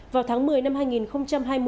vào tháng một mươi năm hai nghìn hai mươi